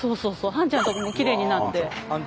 ハンちゃんのとこもきれいになって。